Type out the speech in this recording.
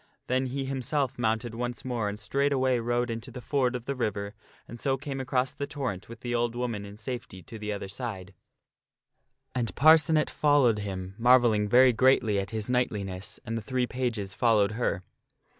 Then he himself mounted once more and straightway rode into the ford of the river and so came across the torrent with the old woman in safety to the other side. A STRANGE ADVENTURE BEFALLETH 211 And Parcenet followed him, marvelling very greatly at his knightliness, and the three pages followed her.